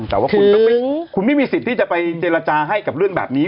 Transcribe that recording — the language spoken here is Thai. แต่ว่าคุณไม่มีสิทธิ์ที่จะไปเจรจาให้กับเรื่องแบบนี้